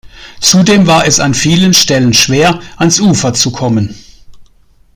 Zudem war es an vielen Stellen schwer, ans Ufer zu kommen.